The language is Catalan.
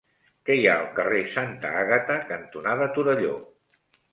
Què hi ha al carrer Santa Àgata cantonada Torelló?